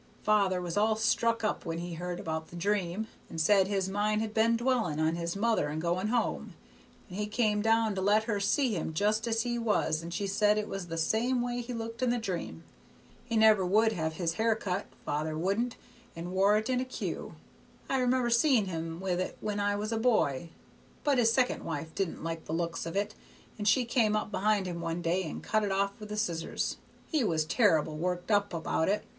Father was all struck up when he heard about the dream, and said his mind had been dwellin' on his mother and going home, and he come down to let her see him just as he was and she said it was the same way he looked in the dream. He never would have his hair cut father wouldn't and wore it in a queue. I remember seeing him with it when I was a boy; but his second wife didn't like the looks of it, and she come up behind him one day and cut it off with the scissors. He was terrible worked up about it.